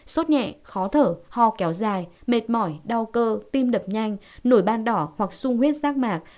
sốt nhẹ khó thở ho kéo dài mệt mỏi đau cơ tim đập nhanh nổi ban đỏ hoặc sung huyết rác mạc